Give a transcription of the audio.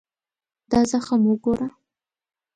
دا زخم وګوره.